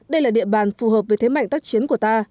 đây là địa bàn phù hợp với thế mạnh tác chiến của ta